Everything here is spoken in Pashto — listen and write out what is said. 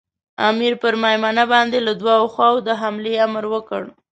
امیر پر مېمنه باندې له دوو خواوو د حملې امر وکړ.